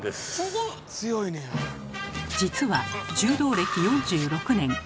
実は柔道歴４６年